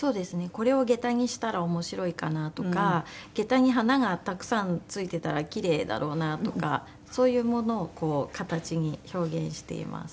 これを下駄にしたら面白いかなとか下駄に花がたくさん付いてたらキレイだろうなとかそういうものをこう形に表現しています。